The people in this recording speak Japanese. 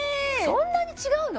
そんなに違うの！？